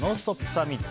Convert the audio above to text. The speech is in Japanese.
サミット。